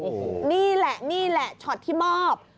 โอ้โหนี่แหละนี่แหละช็อตที่มอบ